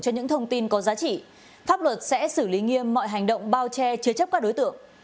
công tin có giá trị pháp luật sẽ xử lý nghiêm mọi hành động bao che chứa chấp các đối tượng